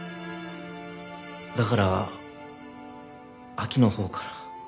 だから亜紀のほうから。